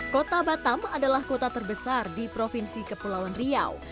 kota batam adalah kota terbesar di provinsi kepulauan riau